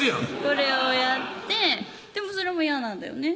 これをやってでもそれもやなんだよね